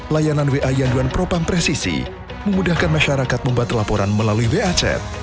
layanan wa yanduan propam presisi memudahkan masyarakat membuat laporan melalui wa chat